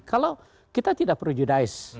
kalau kita tidak prejudis